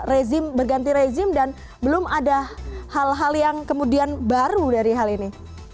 rezim berganti rezim dan belum ada hal hal yang kemudian baru dari hal ini